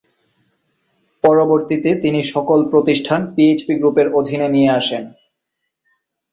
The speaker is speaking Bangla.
পরবর্তীতে তিনি সকল প্রতিষ্ঠান পিএইচপি গ্রুপের অধীনে নিয়ে আসেন।